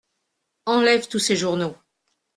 Enlève tous ces journaux.